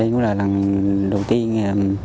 đây cũng là lần đầu tiên